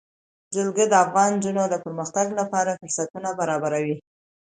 جلګه د افغان نجونو د پرمختګ لپاره فرصتونه برابروي.